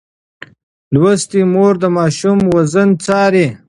لوستې مور د ماشوم وزن څاري.